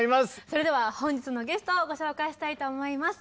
それでは本日のゲストをご紹介したいと思います。